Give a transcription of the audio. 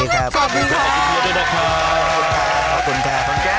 ขอบคุณค่ะ